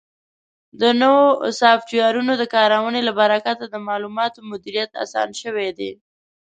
د نوو سافټویرونو د کارونې له برکت د معلوماتو مدیریت اسان شوی دی.